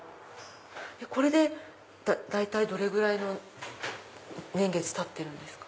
これでどれぐらいの年月たってるんですか？